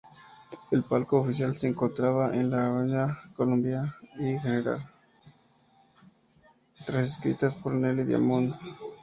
Todas escritas por Neil Diamond.